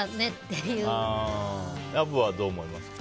アブはどう思いますか？